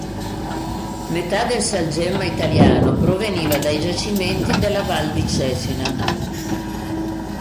Metà del salgemma italiano proveniva dai giacimenti della Val di Cecina.